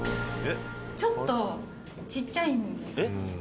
ちょっとちっちゃいんです。